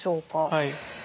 はい。